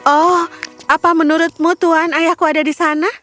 oh apa menurutmu tuan ayahku ada di sana